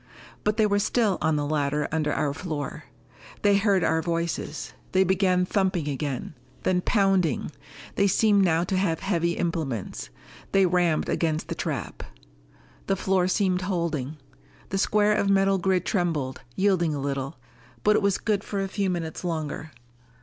But they were still on the ladder under our floor. They heard our voices: they began thumping again. Then pounding. They seemed now to have heavy implements. They rammed against the trap. The floor seemed holding. The square of metal grid trembled, yielded a little. But it was good for a few minutes longer.